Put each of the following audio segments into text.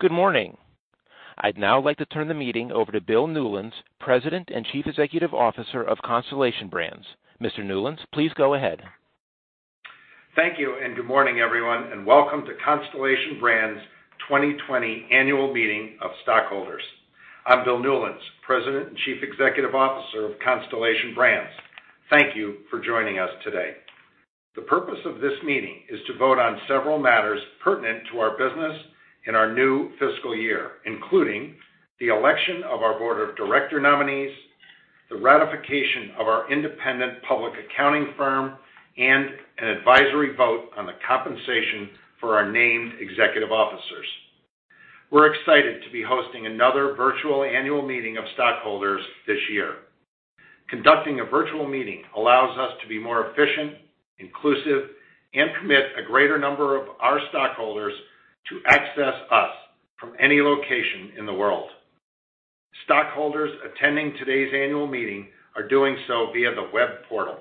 Good morning. I'd now like to turn the meeting over to Bill Newlands, President and Chief Executive Officer of Constellation Brands. Mr. Newlands, please go ahead. Thank you, and good morning, everyone, and welcome to Constellation Brands' 2020 annual meeting of stockholders. I'm Bill Newlands, President and Chief Executive Officer of Constellation Brands. Thank you for joining us today. The purpose of this meeting is to vote on several matters pertinent to our business in our new fiscal year, including the election of our Board of Director nominees, the ratification of our independent public accounting firm, and an advisory vote on the compensation for our named executive officers. We're excited to be hosting another virtual annual meeting of stockholders this year. Conducting a virtual meeting allows us to be more efficient, inclusive, and permit a greater number of our stockholders to access us from any location in the world. Stockholders attending today's annual meeting are doing so via the web portal.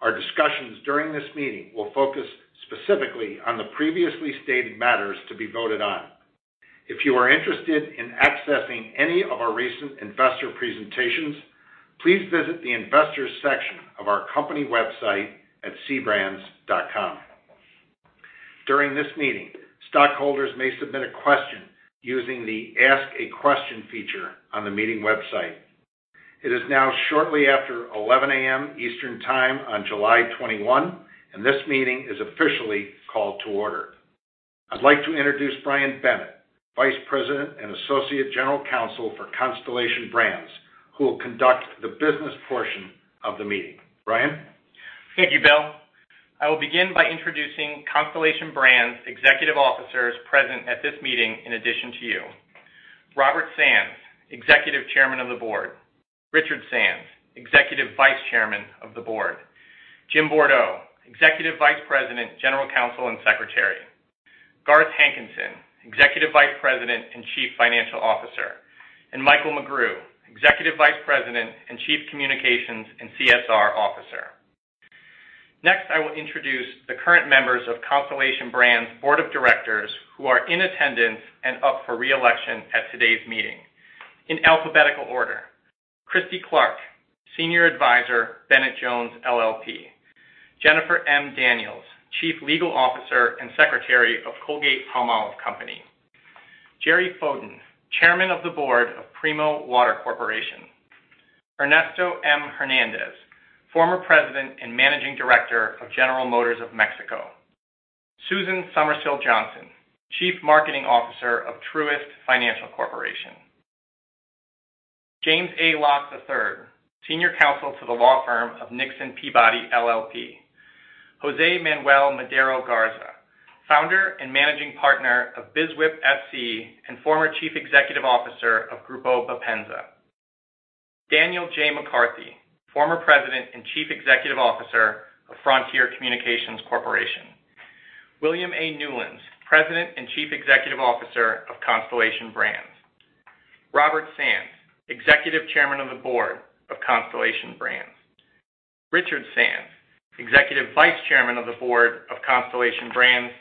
Our discussions during this meeting will focus specifically on the previously stated matters to be voted on. If you are interested in accessing any of our recent investor presentations, please visit the investors section of our company website at cbrands.com. During this meeting, stockholders may submit a question using the Ask a Question feature on the meeting website. It is now shortly after 11:00 A.M. Eastern Time on July 21, and this meeting is officially called to order. I'd like to introduce Brian Bennett, Vice President and Associate General Counsel for Constellation Brands, who will conduct the business portion of the meeting. Brian? Thank you, Bill. I will begin by introducing Constellation Brands' executive officers present at this meeting in addition to you. Robert Sands, Executive Chairman of the Board. Richard Sands, Executive Vice Chairman of the Board. Jim Bourdeau, Executive Vice President, General Counsel, and Secretary. Garth Hankinson, Executive Vice President and Chief Financial Officer. Michael McGrew, Executive Vice President and Chief Communications and CSR Officer. Next, I will introduce the current members of Constellation Brands' Board of Directors who are in attendance and up for re-election at today's meeting. In alphabetical order: Christy Clark, Senior Advisor, Bennett Jones LLP. Jennifer M. Daniels, Chief Legal Officer and Secretary of Colgate-Palmolive Company. Jerry Fowden, Chairman of the Board of Primo Water Corporation. Ernesto M. Hernandez, former President and Managing Director of General Motors de México. Susan Somersille Johnson, Chief Marketing Officer of Truist Financial Corporation. James A. Locke III, Senior Counsel to the law firm of Nixon Peabody LLP. Jose Manuel Madero Garza, Founder and Managing Partner of Bizwip S.C. and former Chief Executive Officer of Grupo Bepensa. Daniel J. McCarthy, former President and Chief Executive Officer of Frontier Communications Corporation. William A. Newlands, President and Chief Executive Officer of Constellation Brands. Robert Sands, Executive Chairman of the Board of Constellation Brands. Richard Sands, Executive Vice Chairman of the Board of Constellation Brands,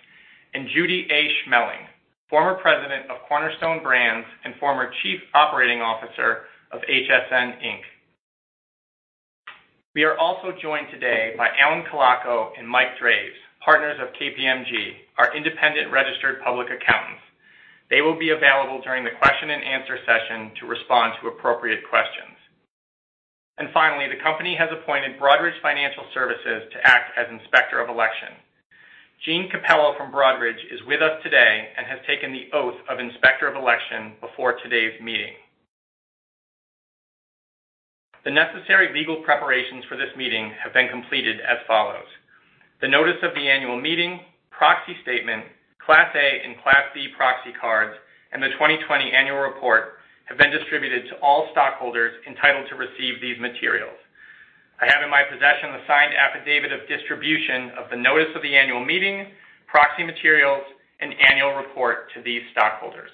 and Judy A. Schmeling, former President of Cornerstone Brands and former Chief Operating Officer of HSN Inc. We are also joined today by Alan Colaco and Mike Draves, partners of KPMG, our independent registered public accountants. They will be available during the question and answer session to respond to appropriate questions. Finally, the company has appointed Broadridge Financial Solutions to act as Inspector of Election. Jean Capello from Broadridge is with us today and has taken the oath of Inspector of Election before today's meeting. The necessary legal preparations for this meeting have been completed as follows. The notice of the annual meeting, proxy statement, Class A and Class B proxy cards, and the 2020 annual report have been distributed to all stockholders entitled to receive these materials. I have in my possession the signed affidavit of distribution of the notice of the annual meeting, proxy materials, and annual report to these stockholders.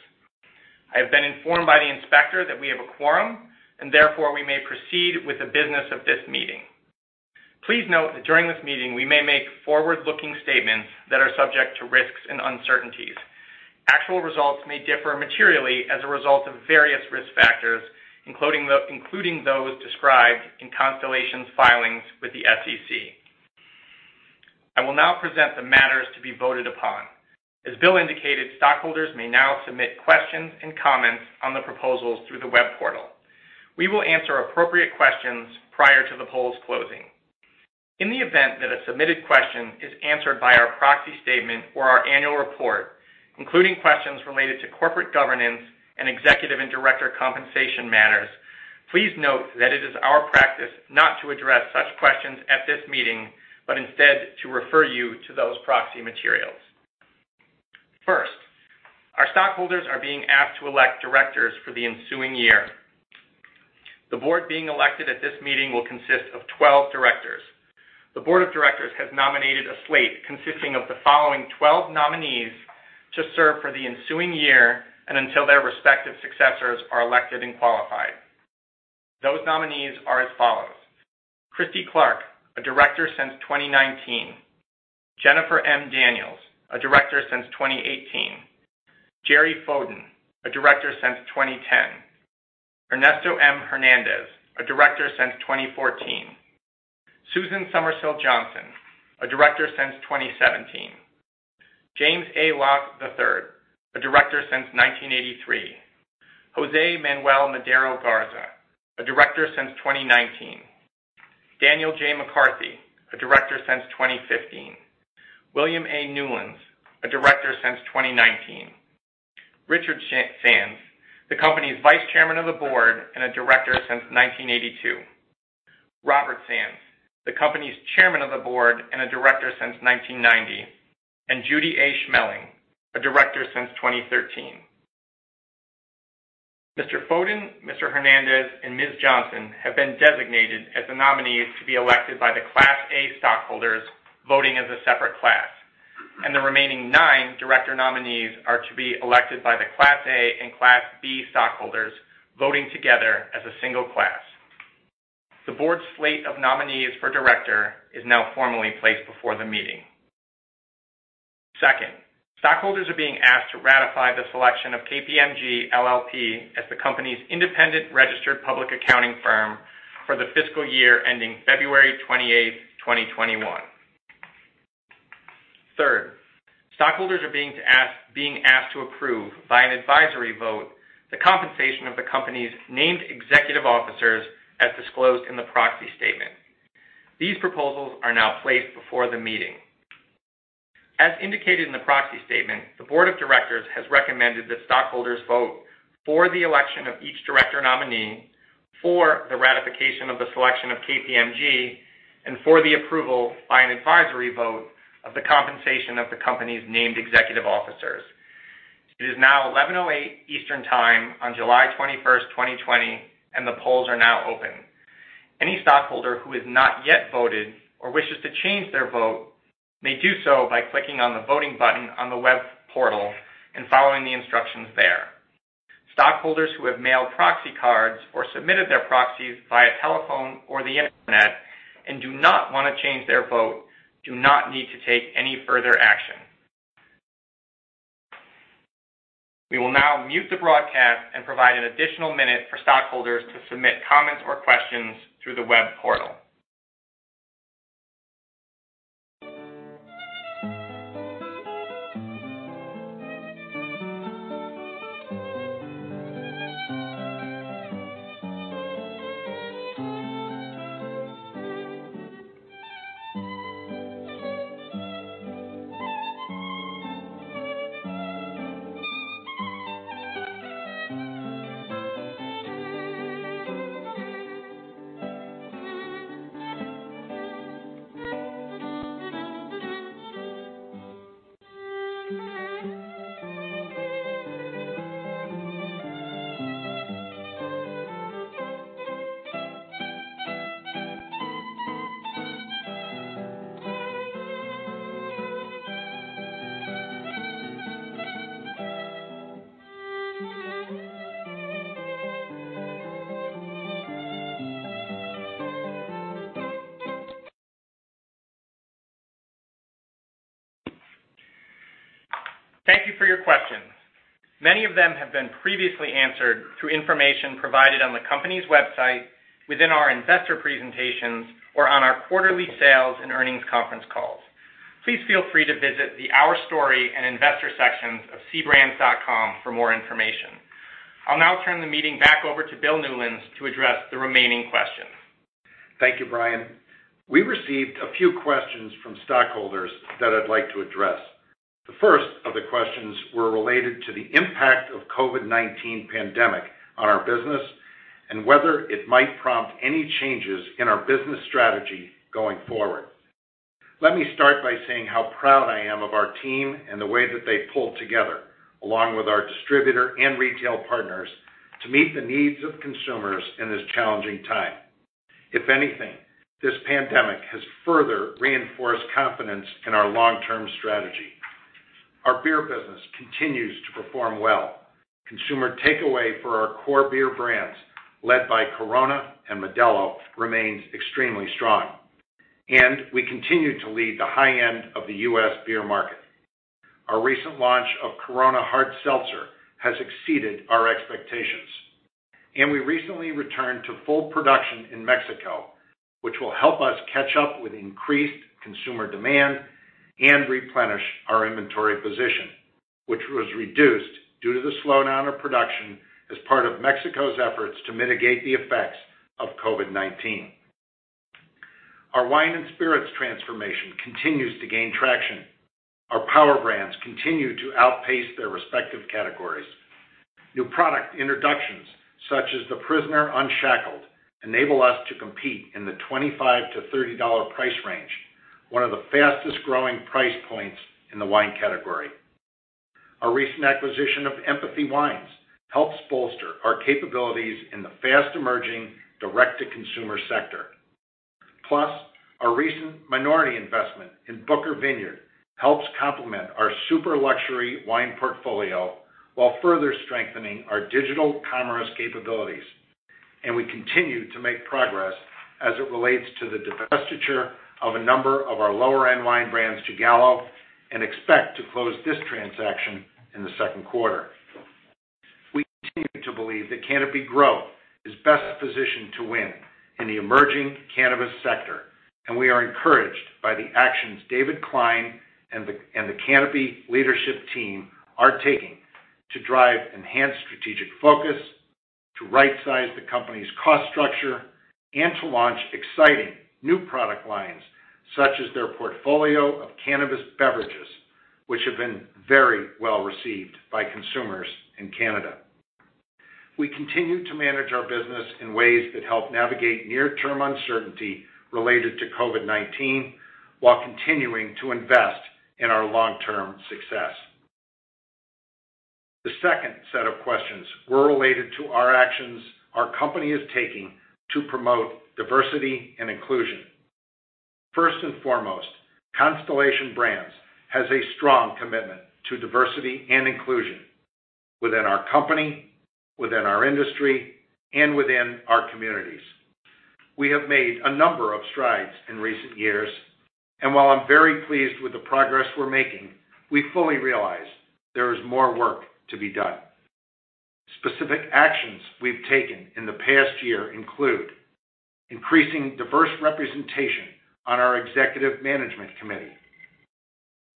I have been informed by the inspector that we have a quorum and therefore we may proceed with the business of this meeting. Please note that during this meeting, we may make forward-looking statements that are subject to risks and uncertainties. Actual results may differ materially as a result of various risk factors, including those described in Constellation's filings with the SEC. I will now present the matters to be voted upon. As Bill indicated, stockholders may now submit questions and comments on the proposals through the web portal. We will answer appropriate questions prior to the polls closing. In the event that a submitted question is answered by our proxy statement or our annual report, including questions related to corporate governance and executive and director compensation matters, please note that it is our practice not to address such questions at this meeting, but instead to refer you to those proxy materials. First, our stockholders are being asked to elect directors for the ensuing year. The Board being elected at this meeting will consist of 12 directors. The board of directors has nominated a slate consisting of the following 12 nominees to serve for the ensuing year and until their respective successors are elected and qualified. Those nominees are as follows: Christy Clark, a director since 2019. Jennifer M. Daniels, a director since 2018. Jerry Fowden, a director since 2010. Ernesto M. Hernandez, a director since 2014. Susan Somersille Johnson, a director since 2017. James A. Locke III, a director since 1983. Jose Manuel Madero Garza, a director since 2019. Daniel J. McCarthy, a director since 2015. William A. Newlands, a director since 2019. Richard Sands, the company's Executive Vice Chairman of the Board and a director since 1982. Robert Sands, the company's Executive Chairman of the Board and a director since 1990, and Judy A. Schmeling, a director since 2013. Mr. Fowden, Mr. Hernandez, and Ms. Johnson have been designated as the nominees to be elected by the Class A stockholders voting as a separate class, and the remaining nine director nominees are to be elected by the Class A and Class B stockholders voting together as a single class. The board's slate of nominees for director is now formally placed before the meeting. Second, stockholders are being asked to ratify the selection of KPMG LLP as the company's independent registered public accounting firm for the fiscal year ending February 28th, 2021. Third, stockholders are being asked to approve, by an advisory vote, the compensation of the company's named executive officers as disclosed in the proxy statement. These proposals are now placed before the meeting. As indicated in the proxy statement, the board of directors has recommended that stockholders vote for the election of each director nominee, for the ratification of the selection of KPMG, and for the approval, by an advisory vote, of the compensation of the company's named executive officers. It is now 11:08 A.M. Eastern Time on July 21st, 2020, and the polls are now open. Any stockholder who has not yet voted or wishes to change their vote may do so by clicking on the voting button on the web portal and following the instructions there. Stockholders who have mailed proxy cards or submitted their proxies via telephone or the internet and do not want to change their vote do not need to take any further action. We will now mute the broadcast and provide an additional minute for stockholders to submit comments or questions through the web portal. Thank you for your questions. Many of them have been previously answered through information provided on the company's website, within our investor presentations, or on our quarterly sales and earnings conference calls. Please feel free to visit the Our Story and Investor sections of cbrands.com for more information. I'll now turn the meeting back over to Bill Newlands to address the remaining questions. Thank you, Brian. We received a few questions from stockholders that I'd like to address. The first of the questions were related to the impact of COVID-19 pandemic on our business and whether it might prompt any changes in our business strategy going forward. Let me start by saying how proud I am of our team and the way that they pulled together, along with our distributor and retail partners, to meet the needs of consumers in this challenging time. If anything, this pandemic has further reinforced confidence in our long-term strategy. Our beer business continues to perform well. Consumer takeaway for our core beer brands, led by Corona and Modelo, remains extremely strong. We continue to lead the high end of the U.S. beer market. Our recent launch of Corona Hard Seltzer has exceeded our expectations. We recently returned to full production in Mexico, which will help us catch up with increased consumer demand and replenish our inventory position, which was reduced due to the slowdown of production as part of Mexico's efforts to mitigate the effects of COVID-19. Our wine and spirits transformation continues to gain traction. Our power brands continue to outpace their respective categories. New product introductions, such as The Prisoner Unshackled, enable us to compete in the $25-$30 price range, one of the fastest-growing price points in the wine category. Our recent acquisition of Empathy Wines helps bolster our capabilities in the fast-emerging direct-to-consumer sector. Plus, our recent minority investment in Booker Vineyard helps complement our super luxury wine portfolio while further strengthening our digital commerce capabilities. We continue to make progress as it relates to the divestiture of a number of our lower-end wine brands to Gallo and expect to close this transaction in the second quarter. We continue to believe that Canopy Growth is best positioned to win in the emerging cannabis sector, and we are encouraged by the actions David Klein and the Canopy leadership team are taking to drive enhanced strategic focus, to right size the company's cost structure, and to launch exciting new product lines, such as their portfolio of cannabis beverages, which have been very well received by consumers in Canada. We continue to manage our business in ways that help navigate near term uncertainty related to COVID-19, while continuing to invest in our long-term success. The second set of questions were related to our actions our company is taking to promote diversity and inclusion. First and foremost, Constellation Brands has a strong commitment to diversity and inclusion within our company, within our industry, and within our communities. We have made a number of strides in recent years, and while I'm very pleased with the progress we're making, we fully realize there is more work to be done. Specific actions we've taken in the past year include increasing diverse representation on our executive management committee,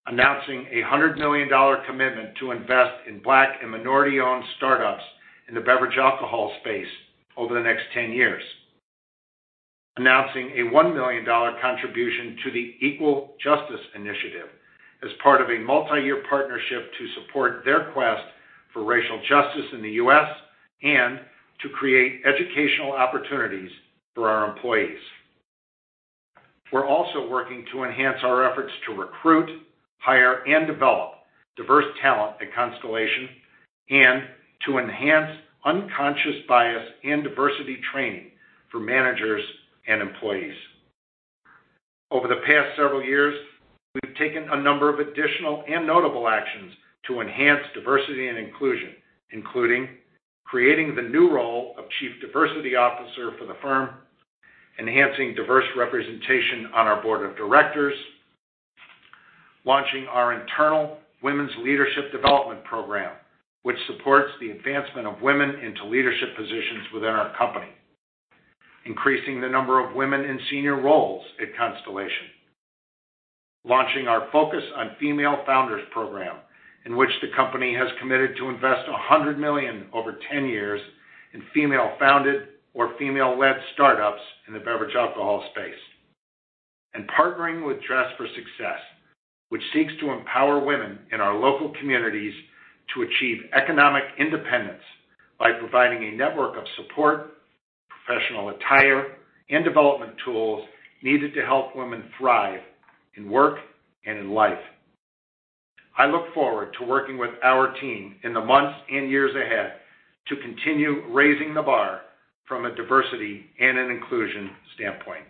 announcing a $100 million commitment to invest in Black and minority-owned startups in the beverage alcohol space over the next 10 years, announcing a $1 million contribution to the Equal Justice Initiative as part of a multi-year partnership to support their quest for racial justice in the U.S., and to create educational opportunities for our employees. We're also working to enhance our efforts to recruit, hire, and develop diverse talent at Constellation and to enhance unconscious bias and diversity training for managers and employees. Over the past several years, we've taken a number of additional and notable actions to enhance diversity and inclusion, including creating the new role of Chief Diversity Officer for the firm, enhancing diverse representation on our board of directors, launching our internal Women's Leadership Development Program, which supports the advancement of women into leadership positions within our company, increasing the number of women in senior roles at Constellation, launching our Focus on Female Founders program, in which the company has committed to invest $100 million over 10 years in female-founded or female-led startups in the beverage alcohol space. Partnering with Dress for Success, which seeks to empower women in our local communities to achieve economic independence by providing a network of support, professional attire, and development tools needed to help women thrive in work and in life. I look forward to working with our team in the months and years ahead to continue raising the bar from a diversity and an inclusion standpoint.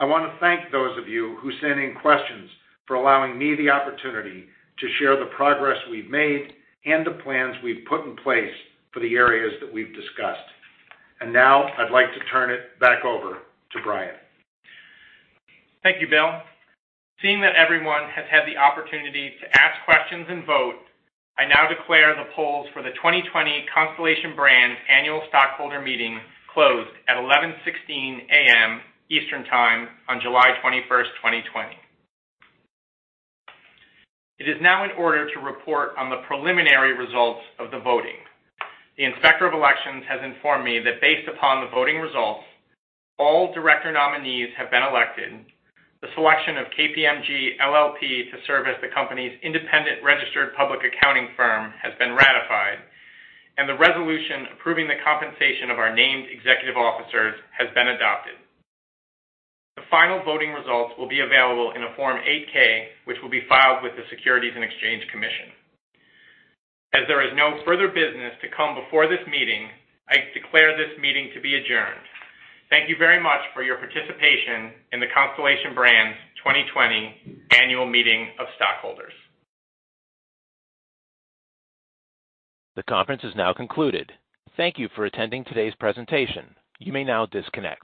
I want to thank those of you who sent in questions for allowing me the opportunity to share the progress we've made and the plans we've put in place for the areas that we've discussed. Now I'd like to turn it back over to Brian. Thank you, Bill. Seeing that everyone has had the opportunity to ask questions and vote, I now declare the polls for the 2020 Constellation Brands Annual Stockholder Meeting closed at 11:16 A.M. Eastern Time on July 21st, 2020. It is now in order to report on the preliminary results of the voting. The Inspector of Elections has informed me that based upon the voting results, all director nominees have been elected, the selection of KPMG LLP to serve as the company's independent registered public accounting firm has been ratified, and the resolution approving the compensation of our named executive officers has been adopted. The final voting results will be available in a Form 8-K, which will be filed with the Securities and Exchange Commission. As there is no further business to come before this meeting, I declare this meeting to be adjourned. Thank you very much for your participation in the Constellation Brands 2020 Annual Meeting of Stockholders. The conference is now concluded. Thank you for attending today's presentation. You may now disconnect.